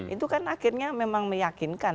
itu kan akhirnya memang meyakinkan